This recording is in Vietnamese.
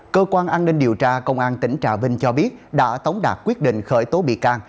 cơ quan an ninh điều tra công an tỉnh trà vinh cho biết đã tống đạt quyết định khởi tố bị can